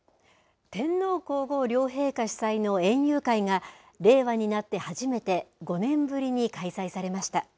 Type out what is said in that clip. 天皇皇后両陛下主催の園遊会が令和になって初めて５年ぶりに開催されました。